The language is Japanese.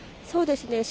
そうですね。